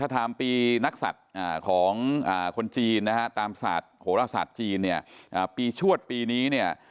ถ้าถามปีนักศัตริย์ของคนจีนนะครับตามโหลศาสตร์จีนปีชวดปีนี้